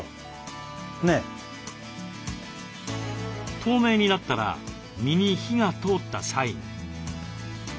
透明になったら身に火が通ったサイン。